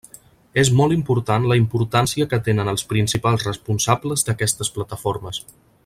És molt important la importància que tenen els principals responsables d'aquestes plataformes.